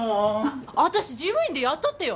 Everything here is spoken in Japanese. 私事務員で雇ってよ。